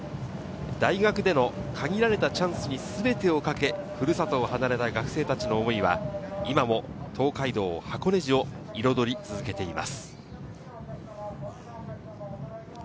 大学での限られたチャンスにすべてを懸け、ふるさとを離れた学生たちの思いは今も東海道、箱根路を彩り続けています。